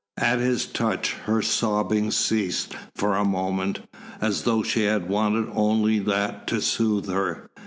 At his touch, her sobbing ceased for a moment, as though she had wanted only that to soothe her.